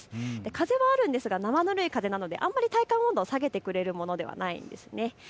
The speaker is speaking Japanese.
風はあるんですがなまぬるい風なのであまり体感温度を下げてくれるものではないですね。